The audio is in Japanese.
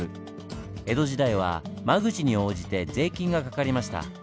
江戸時代は間口に応じて税金がかかりました。